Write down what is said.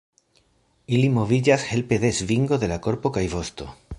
Ili moviĝas helpe de svingo de la korpo kaj vosto.